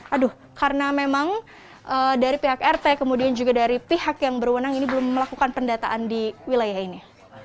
aduh karena memang dari pihak rt kemudian juga dari pihak yang berwenang ini belum melakukan pendataan di wilayah ini